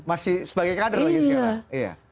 masih sebagai kader lagi sekarang